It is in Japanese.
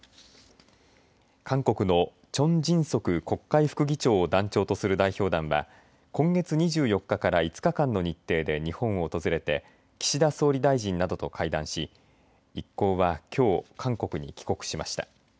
韓国のチョン・ジンソク国会副議長を団長とする代表団は今月２４日から５日間の日程で日本を訪れて岸田総理大臣などと会談し一行はきょう韓国に帰国しました。